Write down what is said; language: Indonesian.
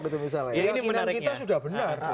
ya betul betul salah ya keyakinan kita sudah benar